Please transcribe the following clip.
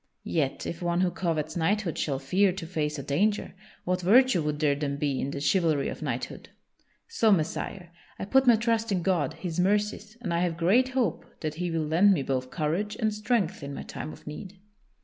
Yet if one who covets knighthood shall fear to face a danger, what virtue would there then be in the chivalry of knighthood? So, Messire, I put my trust in God, His mercies, and I have great hope that He will lend me both courage and strength in my time of need."